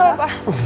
apa kenapa pa